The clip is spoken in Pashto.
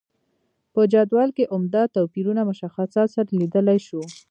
په جدول کې عمده توپیرونه مشخصاتو سره لیدلای شو.